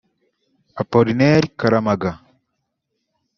Appolinaire Karamaga